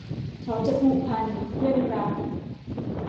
เขาจะผูกพัน เพื่อนรัก